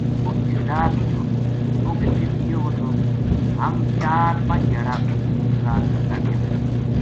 اُت ٹھیکیدار نیہہ تھو وہ گلگت گیو وو تھو ہم چار پنج دھیاڑا اس کی انتظار کرت رہیا